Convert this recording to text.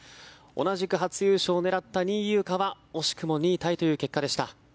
同じく初優勝を狙った仁井優花は惜しくも２位タイという結果でした。